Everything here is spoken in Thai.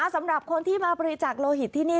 สำหรับคนที่มาบริจาคโลหิตที่นี่